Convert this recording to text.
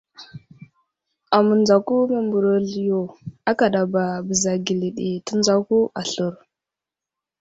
Amənzako mə mbərezl yo akadaba bəza geli ɗi tənzako aslər.